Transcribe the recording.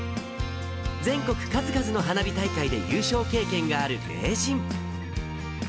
全国数々の花火大会で優勝経験がある名人。